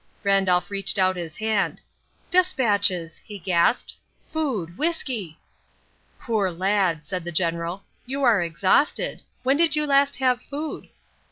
Randolph reached out his hand. "Despatches!" he gasped. "Food, whisky!" "Poor lad," said the General, "you are exhausted. When did you last have food?"